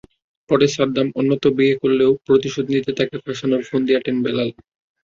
পরে সাদ্দাম অন্যত্র বিয়ে করলেও প্রতিশোধ নিতে তাঁকে ফাঁসানোর ফন্দি আঁটেন বেলাল।